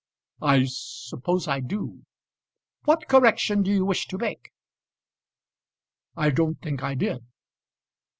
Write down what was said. "I suppose I do." "What correction do you wish to make?" "I don't think I did."